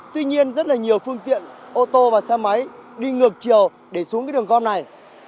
tuy nhiên rất là nhiều phương tiện ô tô và xe máy đi ngược chiều để xuống cái đường gom này